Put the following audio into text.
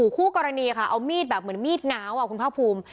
ขู่กรณีเอามีดเหมือนมีดหนาวคุณภพูม